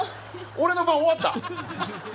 俺の番終わった。